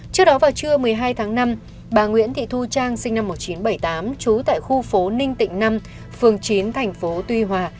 trước đó vào trưa một mươi hai tháng năm bà nguyễn thị thu trang sinh năm một nghìn chín trăm bảy mươi tám trú tại khu phố ninh tịnh năm phường chín thành phố tuy hòa